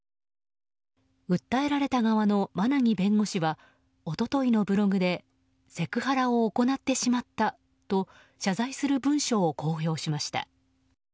訴えられた側の馬奈木弁護士は一昨日のブログでセクハラを行ってしまったと謝罪する文書を公表しました。